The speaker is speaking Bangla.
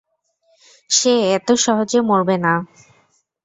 সে এত সহজে মরবে না।